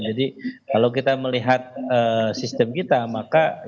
jadi kalau kita melihat sistem kita maka ya yang saat ini lupa